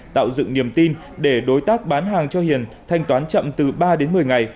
tạo dựng niềm tin để đối tác bán hàng cho hiền thanh toán chậm từ ba đến một mươi ngày